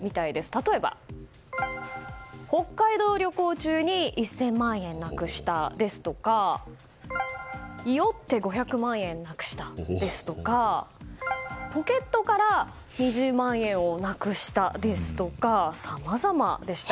例えば、北海道旅行中に１０００万円なくしたですとか酔って５００万円なくしたですとかポケットから２０万円をなくしたですとかさまざまでした。